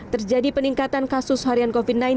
terjadi peningkatan kasus harian covid sembilan belas